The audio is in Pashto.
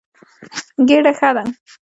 ګېډه ښه ده.